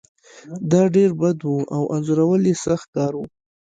دا ډیر بد و او انځورول یې سخت کار و